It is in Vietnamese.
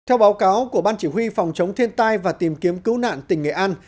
theo báo cáo của ban chỉ huy phòng chống thiên tai và tìm kiếm cứu nạn tỉnh nghệ an